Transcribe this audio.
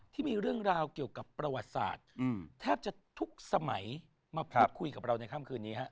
ที่มีเรื่องราวเกี่ยวกับประวัติศาสตร์แทบจะทุกสมัยมาพูดคุยกับเราในค่ำคืนนี้ฮะ